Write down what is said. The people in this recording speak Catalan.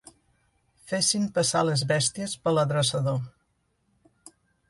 Fessin passar les bèsties per l'adreçador.